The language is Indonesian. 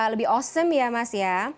lebih osem ya mas ya